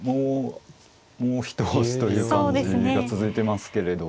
もう一押しという感じが続いてますけれど。